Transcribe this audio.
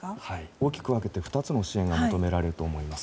大きく分けて２つの支援が求められると思います。